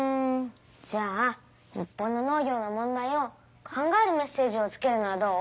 じゃあ日本の農業の問題を考えるメッセージをつけるのはどう？